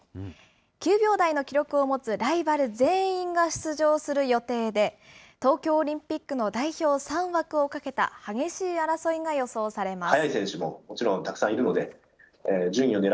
９秒台の記録を持つライバル全員が出場する予定で、東京オリンピックの代表３枠をかけた激しい争いが予想されます。